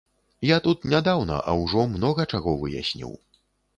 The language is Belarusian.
Я тут нядаўна, а ўжо многа чаго выясніў.